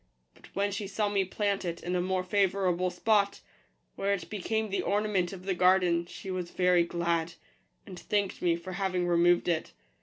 But when she saw me plant it in a more favourable spot, where it became the ornament of the garden, she was very glad, and thanked me for having removed it.